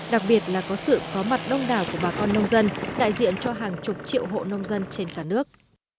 đặc biệt là có sự có mặt đông đảo của bà con nông dân đại diện cho hàng chục triệu hộ nông dân trên cả nước